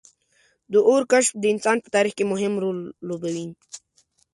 • د اور کشف د انسان په تاریخ کې مهم رول لوبولی.